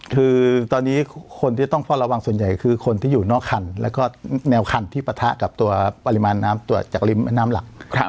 คือตอนนี้คนที่ต้องเฝ้าระวังส่วนใหญ่คือคนที่อยู่นอกคันแล้วก็แนวคันที่ปะทะกับตัวปริมาณน้ำตรวจจากริมแม่น้ำหลัก